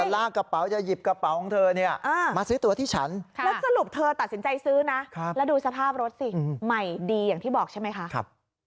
ลากกระเป๋าจะหยิบกระเป๋าของเธอเนี่ยมาซื้อตัวที่ฉันแล้วสรุปเธอตัดสินใจซื้อนะแล้วดูสภาพรถสิใหม่ดีอย่างที่บอกใช่ไหมคะ